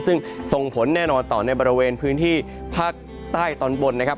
ซึ่งส่งผลแน่นอนต่อในบริเวณพื้นที่ภาคใต้ตอนบนนะครับ